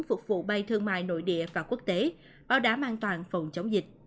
phục vụ bay thương mại nội địa và quốc tế bảo đảm an toàn phòng chống dịch